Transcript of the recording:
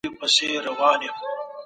له شر څخه ځان وساتئ.